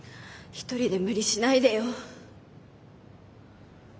一人で無理しないでよ。